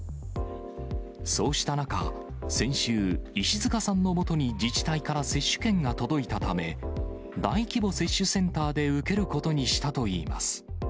そうした中、先週、石塚さんのもとに自治体から接種券が届いたため、大規模接種センターで受けることにしたといいます。